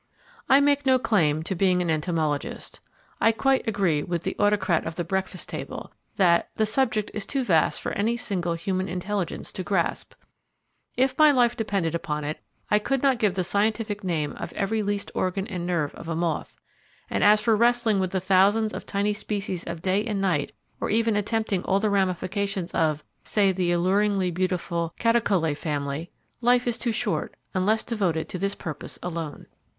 I make no claim to being an entomologist; I quite agree with the "Autocrat of the Breakfast Table", that "the subject is too vast for any single human intelligence to grasp." If my life depended upon it I could not give the scientific name of every least organ and nerve of a moth, and as for wrestling with the thousands of tiny species of day and night or even attempting all the ramifications of say the alluringly beautiful Catocalae family life is too short, unless devoted to this purpose alone.